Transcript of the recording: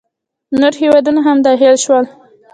نور هیوادونه هم داخل شول.